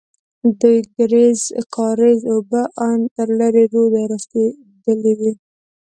ددې کارېز اوبه ان تر لېرې روده رسېدلې وې.